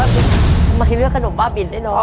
ทำไมเลือกขนมบ้าบินได้เนอะ